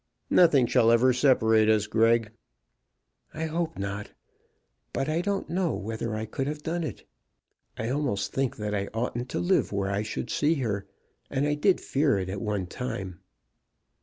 "Nothing shall ever separate us, Greg." "I hope not; but I don't know whether I could have done it. I almost think that I oughtn't to live where I should see her; and I did fear it at one time."